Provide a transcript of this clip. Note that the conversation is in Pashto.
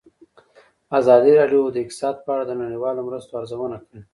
ازادي راډیو د اقتصاد په اړه د نړیوالو مرستو ارزونه کړې.